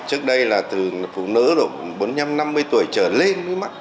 trước đây là từ phụ nữ độ bốn mươi năm năm mươi tuổi trở lên mới mắc